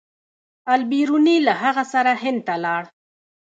البیروني له هغه سره هند ته لاړ.